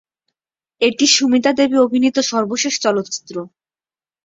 এটি সুমিতা দেবী অভিনীত সর্বশেষ চলচ্চিত্র।